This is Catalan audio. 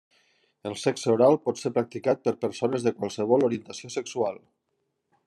El sexe oral pot ser practicat per persones de qualsevol orientació sexual.